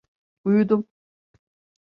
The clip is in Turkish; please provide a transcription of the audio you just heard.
Uyudum.